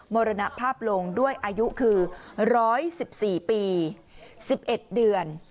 มรณภาพลงด้วยอายุคือ๑๑๔ปี๑๑เดือน